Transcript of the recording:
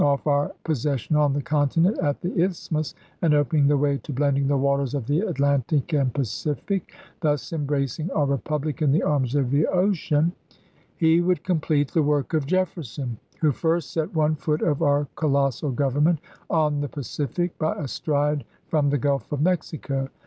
off our possession on the continent at the Isthmus, and opening the way to blending the waters of the Atlantic and Pacific, thus embracing our Eepublic in the arms of the ocean, he would complete the work of Jefferson, who first set one foot of our co lossal Government on the Pacific by a stride from the G ulf of Mexico.